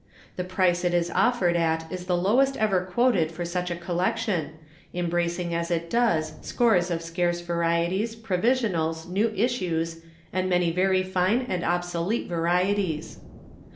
The price it is offered at is the lowest ever quoted for such a collection, embracing as it does scores of scarce varieties, provisionals, new issues, and many very fine and obsolete varieties.